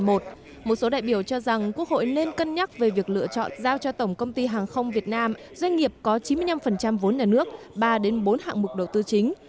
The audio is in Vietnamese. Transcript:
một số đại biểu cho rằng quốc hội nên cân nhắc về việc lựa chọn giao cho tổng công ty hàng không việt nam doanh nghiệp có chín mươi năm vốn nhà nước ba bốn hạng mục đầu tư chính